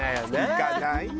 行かないよ。